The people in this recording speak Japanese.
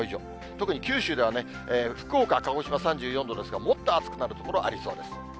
特に九州では、福岡、鹿児島３４度ですが、もっと暑くなる所ありそうです。